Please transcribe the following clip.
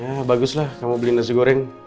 ya baguslah kamu beli nasi goreng